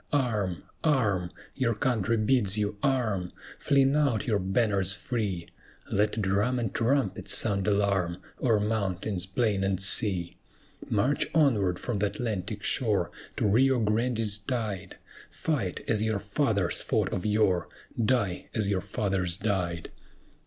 Arm! arm! your country bids you arm! Fling out your banners free Let drum and trumpet sound alarm, O'er mountains, plain, and sea. March onward from th' Atlantic shore, To Rio Grande's tide Fight as your fathers fought of yore! Die as your fathers died!